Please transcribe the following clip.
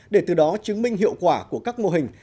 để từ đó chứng minh hiệu quả của các mô hình